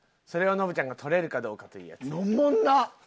それをノブちゃんが取れるかどうかというやつ。